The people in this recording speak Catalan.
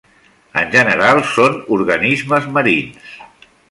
En general, són organismes marins.